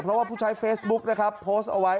เพราะว่าผู้ใช้เฟซบุ๊กนะครับโพสต์เอาไว้